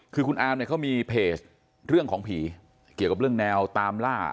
คือคุณอามเนี่ยเขามีเพจเรื่องของผีเกี่ยวกับเรื่องแนวตามล่า